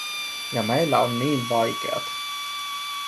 Ja meillä on niin vaikeata.